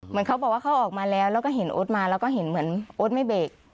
เหมือนเขาบอกว่าเขาออกมาแล้วแล้วก็เห็นโอ๊ตมาแล้วก็เห็นเหมือนโอ๊ตไม่เบรก